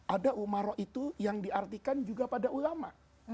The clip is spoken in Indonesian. ada umaro itu yang diartikan juga pada ulama